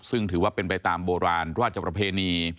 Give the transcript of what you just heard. ซึ่งถือว่าเป็นไปตามโบราณราชประเพณี